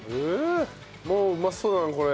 もううまそうだなこれ。